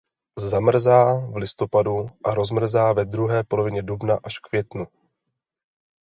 Zamrzá v listopadu a rozmrzá ve druhé polovině dubna až v květnu.